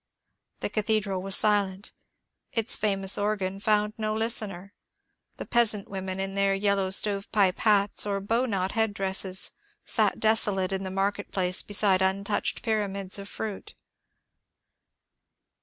The cathedral was silent ; its famous organ found no listener ; the peasant women in their yellow stove pipe hats or bow knot headdresses sat desolate in the market place beside untouched pyramids of fruit.